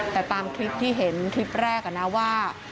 แต่ตามคลิปที่เห็นคลิปแรกนะว่า